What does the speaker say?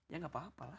ya gak apa apa lah